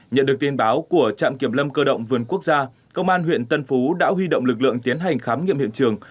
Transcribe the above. nhận được tin báo của trạm kiểm lâm cơ động vườn quốc gia công an huyện tân phú đã huy động lực lượng tiến hành khám nghiệm hiện trường